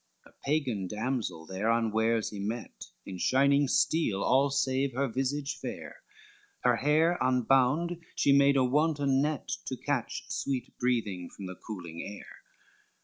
XLVII A Pagan damsel there unwares he met, In shining steel, all save her visage fair, Her hair unbound she made a wanton net, To catch sweet breathing from the cooling air.